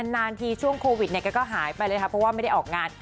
นานทีช่วงโควิดเนี่ยแกก็หายไปเลยค่ะเพราะว่าไม่ได้ออกงาน